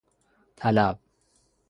طلب